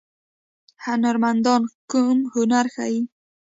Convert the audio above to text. هنرمندان کوم هنر ښيي؟